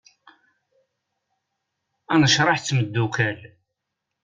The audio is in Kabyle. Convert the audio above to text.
Anecraḥ d temddukal.